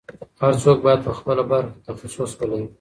هر څوک باید په خپله برخه کې تخصص ولري.